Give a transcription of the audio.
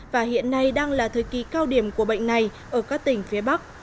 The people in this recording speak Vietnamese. và hiện nay đang là thời kỳ cao điểm của bệnh này ở các tỉnh phía bắc